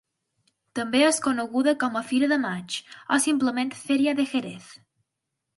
També és coneguda com a Fira de maig, o simplement Feria de Jerez.